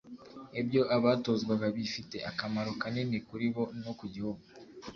ibyo abatozwaga bifite akamaro kanini kuri bo no ku gihugu